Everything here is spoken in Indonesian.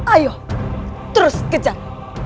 ayo terus kejar